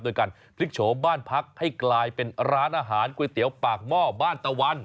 โดยการพลิกโฉมบ้านพักให้กลายเป็นร้านอาหารก๋วยเตี๋ยวปากหม้อบ้านตะวัน